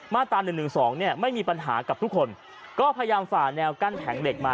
มาตรา๑๑๒เนี่ยไม่มีปัญหากับทุกคนก็พยายามฝ่าแนวกั้นแผงเหล็กมา